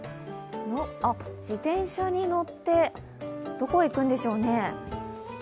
自転車に乗って、どこへ行くんでしょうね。